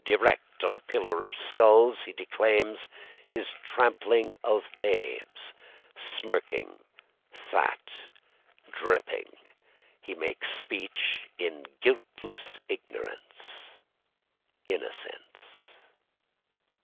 Erect on a pillar of skulls He declaims his trampling of babes; Smirking, fat, dripping, He makes speech in guiltless ignorance, Innocence.